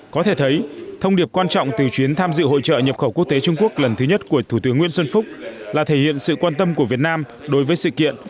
có thể thấy thông điệp quan trọng từ chuyến tham dự hội trợ nhập khẩu quốc tế trung quốc lần thứ nhất của thủ tướng nguyễn xuân phúc là thể hiện sự quan tâm của việt nam đối với sự kiện